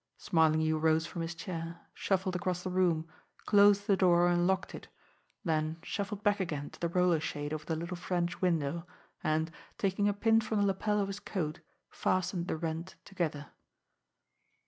Smarlinghue rose from his chair, shuffled across the room, closed the door and locked it, then shuffled back again to the roller shade over the little French window, and, taking a pin from the lapel of his coat, fastened the rent together.